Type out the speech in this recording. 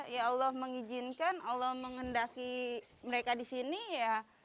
ya allah mengizinkan allah menghendaki mereka di sini ya